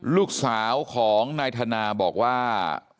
ลูกสาวของนายธนาบอกว่า